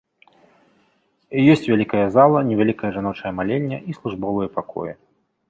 Ёсць вялікая зала, невялікая жаночая малельня і службовыя пакоі.